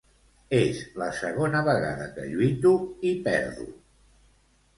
És la segona vegada que lluito i perdo.